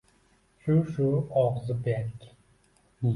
Shu-shu og‘zi berk.